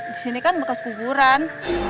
di sini kan bekas kuburan